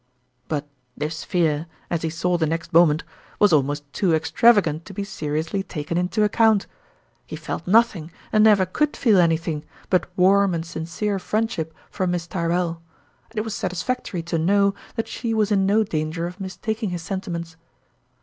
But this fear, as he saw the next moment, was almost too extravagant to be seriously taken into account. He felt nothing, and never could feel anything, but warm and sin 46 ^Tourmalin's cere friendship for Miss Tyrrell; and it was satisfactory to know that she was in no danger of mistaking his sentiments.